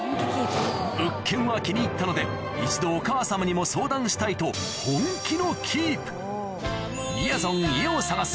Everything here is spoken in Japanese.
物件は気に入ったので一度お母様にも相談したいと本気の「みやぞん、家を探す。」